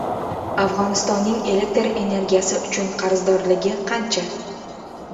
Afg‘onistonning elektr energiyasi uchun qarzdorligi qancha?